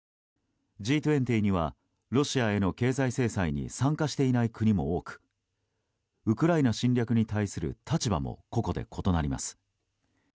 Ｇ２０にはロシアへの経済制裁に参加していない国も多くウクライナ侵略に対する立場も個々で異なります。